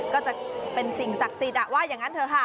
ก็จะเป็นสิ่งศักดิ์สิทธิ์ว่าอย่างนั้นเถอะค่ะ